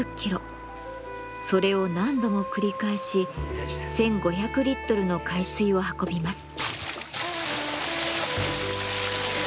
それを何度も繰り返し１，５００リットルの海水を運びます。